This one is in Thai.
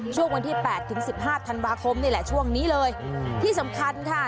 ช่วงวันที่แปดถึงสิบห้าธันวาคมนี่แหละช่วงนี้เลยที่สำคัญค่ะ